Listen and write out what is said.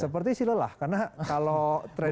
seperti sih lelah karena kalau trend